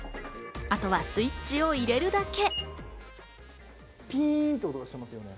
あとはスイッチを入れるだけ。